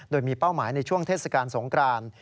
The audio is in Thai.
โดยมีเป้าหมายในช่วงเทศกาลสงคราน